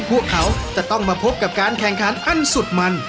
พวกเขาจะต้องมาพบกับการแข่งขันอันสุดมัน